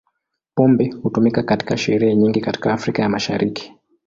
Pombe hutumika katika sherehe nyingi katika Afrika ya Mashariki.